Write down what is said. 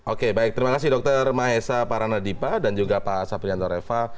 oke baik terima kasih dokter mahesa paranadipa dan juga pak saprianto reva